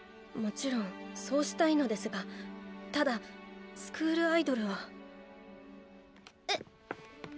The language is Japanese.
もちろんそうしたいのですがただスクールアイドルは。えっ。